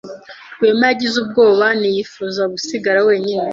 Rwema yagize ubwoba ntiyifuza gusigara wenyine.